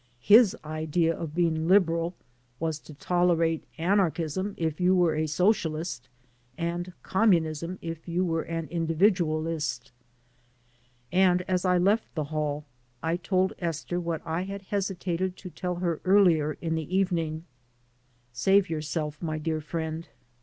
His idea of being liberal was to tolerate anarchism if you were a socialist and communism if you were an individualist. And as we left the hall I told Esther what I had hesitated to tell her earlier in the evening. "Save yourself, my dear friend.